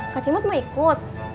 kak cimut mau ikut